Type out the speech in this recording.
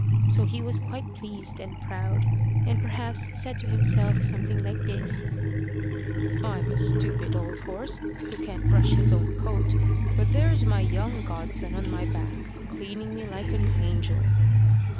So he was quite pleased and proud, and perhaps said to himself something like this "I'm a stupid old horse, who can't brush his own coat; but there's my young godson on my back, cleaning me like an angel."